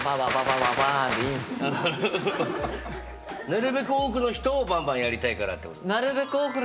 なるべく多くの人をバンバンやりたいからってこと？